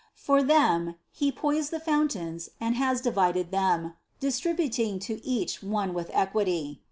For them He poised the fountains and has di vided them, distributing to each one with equity.